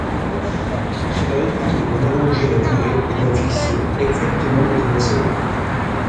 Cela implique d'en allonger la durée et d'en fixer exactement le commencement.